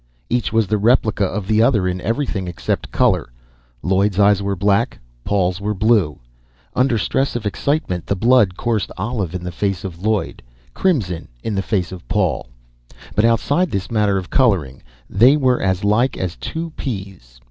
Each was the replica of the other in everything except color. Lloyd's eyes were black; Paul's were blue. Under stress of excitement, the blood coursed olive in the face of Lloyd, crimson in the face of Paul. But outside this matter of coloring they were as like as two peas.